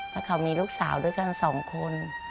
แล้วเขามีลูกสาวด้วยกัน๒คน